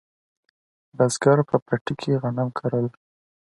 بزګر په پټي کې غنم کرل